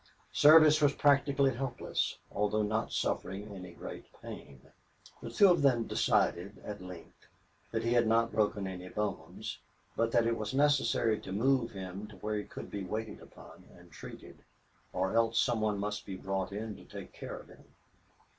Service was practically helpless, although not suffering any great pain. The two of them decided, at length, that he had not broken any bones, but that it was necessary to move him to where he could be waited upon and treated, or else some one must be brought in to take care of him.